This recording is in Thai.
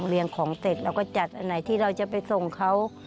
เรียงของเสร็จเราก็จัดอันไหนที่เราจะไปส่งเขา